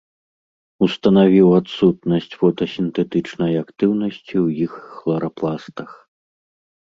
Устанавіў адсутнасць фотасінтэтычнай актыўнасці ў іх хларапластах.